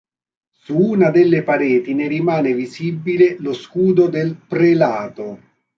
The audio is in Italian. Su una della pareti ne rimane visibile lo scudo del prelato.